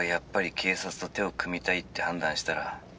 ☎警察と手を組みたいって判断したら